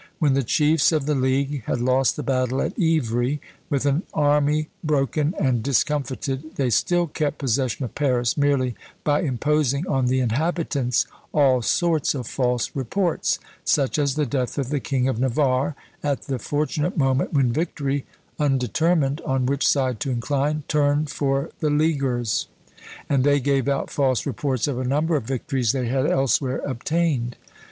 When the chiefs of the League had lost the battle at Ivry, with an army broken and discomfited they still kept possession of Paris merely by imposing on the inhabitants all sorts of false reports, such as the death of the king of Navarre at the fortunate moment when victory, undetermined on which side to incline, turned for the Leaguers; and they gave out false reports of a number of victories they had elsewhere obtained.